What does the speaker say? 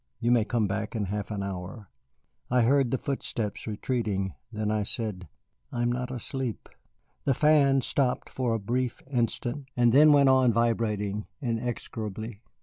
You may come back in half an hour." I heard the footsteps retreating. Then I said: "I am not asleep." The fan stopped for a brief instant and then went on vibrating inexorably.